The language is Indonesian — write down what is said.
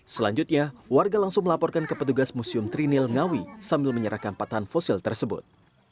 selanjutnya warga langsung melaporkan ke petugas museum trinil ngawi sambil menyerahkan patahan fosil tersebut